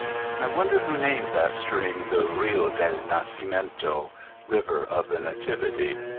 I wonder who named that stream, the '^Rio del Nadmiento," River of the Nativity?